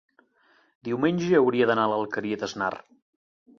Diumenge hauria d'anar a l'Alqueria d'Asnar.